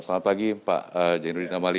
selamat pagi pak jainuddin amali